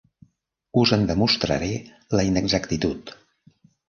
Us en demostraré la inexactitud.